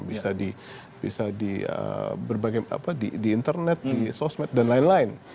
bisa di berbagai internet di sosmed dan lain lain